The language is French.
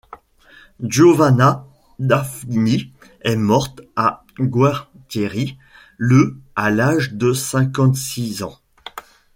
Giovanna Daffini est morte à Gualtieri le à l'âge de cinquante-six ans.